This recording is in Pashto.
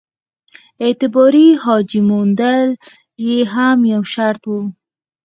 اعتباري حاجي موندل یې هم یو شرط وو.